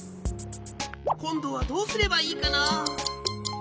こんどはどうすればいいかな？